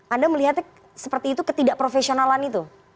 anda melihatnya seperti itu ketidakprofesionalan itu